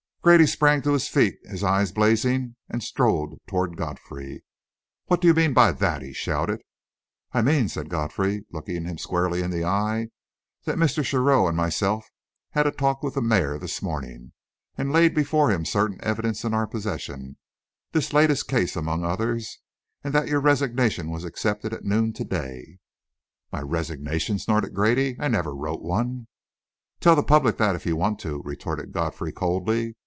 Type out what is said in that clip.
Grady sprang to his feet, his eyes blazing, and strode toward Godfrey. "What do you mean by that?" he shouted. "I mean," said Godfrey, looking him squarely in the eye, "that Mr. Shearrow and myself had a talk with the mayor this morning, and laid before him certain evidence in our possession this latest case among others and that your resignation was accepted at noon to day." "My resignation!" snorted Grady. "I never wrote one!" "Tell the public that, if you want to," retorted Godfrey coldly.